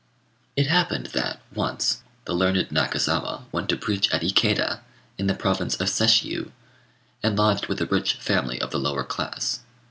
It happened that, once, the learned Nakazawa went to preach at Ikéda, in the province of Sesshiu, and lodged with a rich family of the lower class.